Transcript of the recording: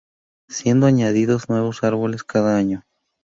Siendo añadidos nuevos árboles cada año.